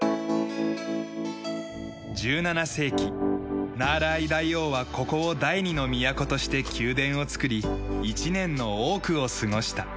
１７世紀ナーラーイ大王はここを第二の都として宮殿を造り１年の多くを過ごした。